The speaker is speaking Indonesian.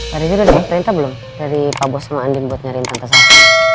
hari itu ada misiah belum dari pak bos sama andin buat nyariin tante sarah